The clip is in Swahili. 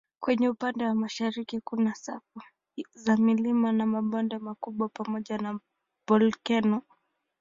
Kwenye upande wa mashariki kuna safu za milima na mabonde makubwa pamoja na volkeno.